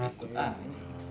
ngikut lah ini